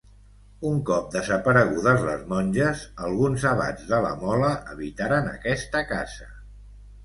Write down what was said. Un cop desaparegudes les monges, alguns abats de la Mola habitaren aquesta casa.